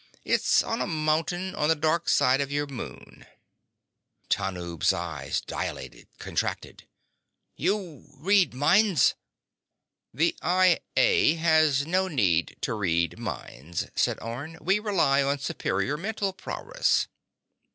It's on a mountain on the darkside of your moon." Tanub's eyes dilated, contracted. "You read minds?" "The I A has no need to read minds," said Orne. "We rely on superior mental prowess."